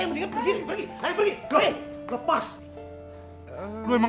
yang penting pergi pergi pergi pergi